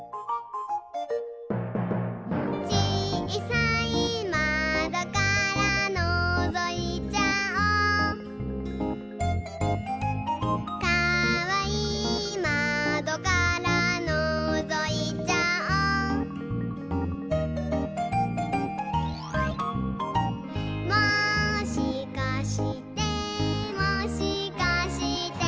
「ちいさいまどからのぞいちゃおう」「かわいいまどからのぞいちゃおう」「もしかしてもしかして」